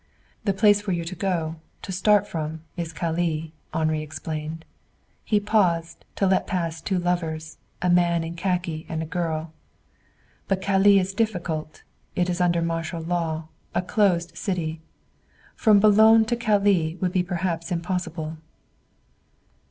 "The place for you to go, to start from, is Calais," Henri explained. He paused, to let pass two lovers, a man in khaki and a girl. "But Calais is difficult. It is under martial law a closed city. From Boulogne to Calais would be perhaps impossible."